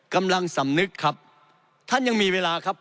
กำลังสำนึกครับท่านยังมีเวลาครับ